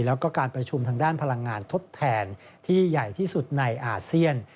แล้วก็การประชุมทางด้านพลังงานทดแทนที่ใหญ่ที่สุดในอาเซียน